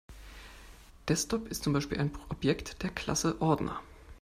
Desktop ist zum Beispiel ein Objekt der Klasse Ordner.